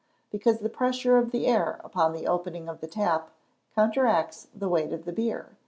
_ Because the pressure of the air upon the opening of the tap counteracts the weight of the beer.